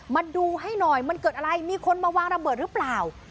มาดูให้หน่อยมันเกิดอะไรมีคนมาวางระเบิดหรือเปล่า